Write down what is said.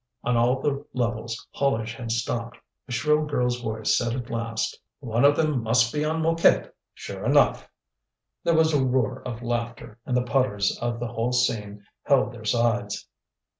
On all the levels haulage had stopped. A shrill girl's voice said at last: "One of them must be on Mouquette, sure enough!" There was a roar of laughter, and the putters of the whole seam held their sides.